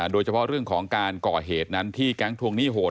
โดยเฉพาะเรื่องของการก่อเหตุนั้นที่แก๊งทวงหนี้โหด